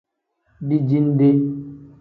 Dijinde.